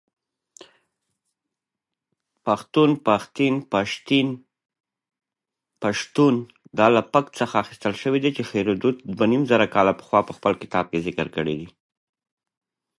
یو حس دی له تا پرته، نور هیڅ چاته نه بدلیږي